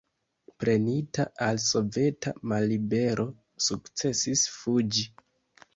Prenita al soveta mallibero sukcesis fuĝi.